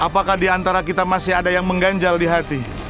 apakah diantara kita masih ada yang mengganjal di hati